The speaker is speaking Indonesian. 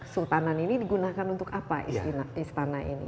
sultanan ini digunakan untuk apa istana ini